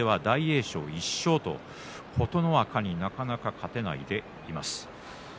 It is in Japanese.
翔は１勝と琴ノ若になかなか勝てないでいます。